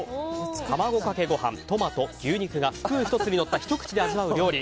卵かけご飯、トマト、牛肉がスプーン１つにのったひと口で味わう料理。